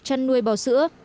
chăn nuôi bò sữa